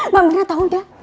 mbak mir lu tau nggak